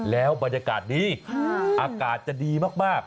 แล้วบรรยากาศดีอากาศจะดีมาก